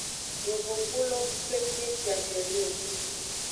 Yovogbulowo pleng de bia nyuiede o.